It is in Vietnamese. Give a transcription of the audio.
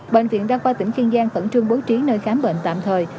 bệnh viện đa khoa tỉnh kiên giang khẩn trương bố trí nơi khám bệnh tạm thời